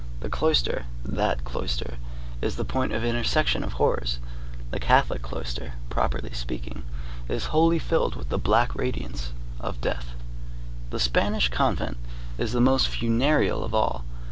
The cloister, that cloister, is the point of intersection of horrors. The Catholic cloister, properly speaking, is wholly filled with the black radiance of death. The Spanish convent is the most funereal of all.